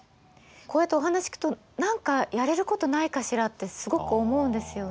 こうやってお話聞くと何かやれることないかしらってすごく思うんですよね。